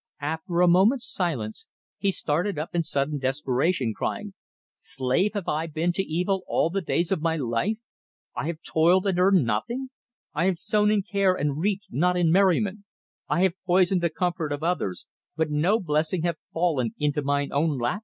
After a moment's silence he started up in sudden desperation, crying: "Slave have I been to evil all the days of my life! I have toiled and earned nothing; I have sown in care and reaped not in merriment; I have poisoned the comfort of others, but no blessing hath fallen into my own lap.